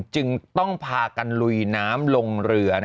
จึงต้องพากันลุยน้ำลงเรือ